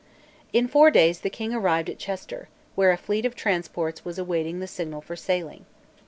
In four days the King arrived at Chester, where a fleet of transports was awaiting the signal for sailing.